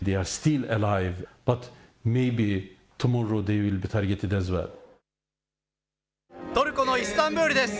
トルコのイスタンブールです。